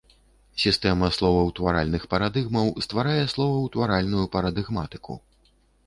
Сістэма словаўтваральных парадыгмаў стварае словаўтваральную парадыгматыку.